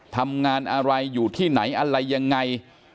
ทำงานอะไรอยู่ที่ไหนอะไรยังไง